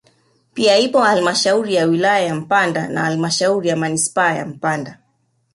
Pia ipo halmashauri ya wilaya ya Mpanda na halmashauri ya manispaa ya Mpanda